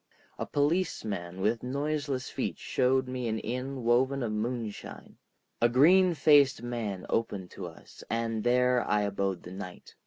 A policeman with noiseless feet showed me an inn woven of moonshine, a green faced man opened to us, and there I abode the night.